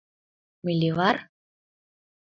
Милливар?